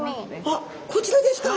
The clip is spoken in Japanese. あっこちらですか！